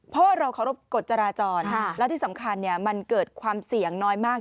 เพราะว่าเราเคารพกฎจราจรและที่สำคัญมันเกิดความเสี่ยงน้อยมาก